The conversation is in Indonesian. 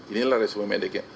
inilah resume mediknya